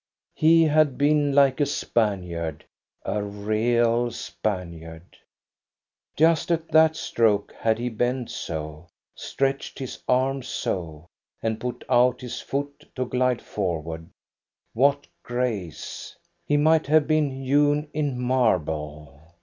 He had been like a Spaniard, a real Spaniard. Just at that stroke had he bent so, stretched his arms so, and put out his foot to glide forward. What grace ! He might have been hewn in marble.